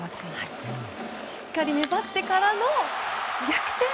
しっかり粘ってからの逆転